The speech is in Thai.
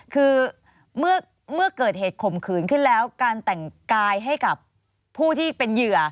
คือเมื่อเกิดเหตุข่มขืนขึ้นแล้วการแต่งกายให้กับผู้ที่เป็นเหยื่อ